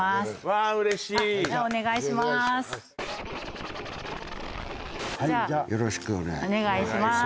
はいじゃよろしくお願いします